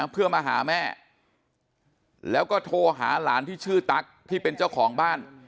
เพื่อมาหาแม่แล้วก็โทรหาหลานที่ชื่อตั๊กที่เป็นเจ้าของบ้าน